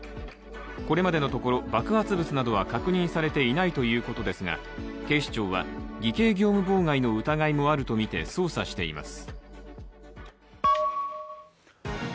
これまでのところ爆発物などは確認されていないということですが、警視庁は偽計業務妨害の疑いもあるとみて捜査しています。